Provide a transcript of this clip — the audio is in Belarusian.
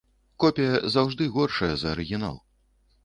Копія заўжды горшая за арыгінал.